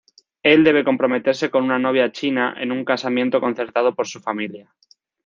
Él debe comprometerse con una novia china en un casamiento concertado por su familia.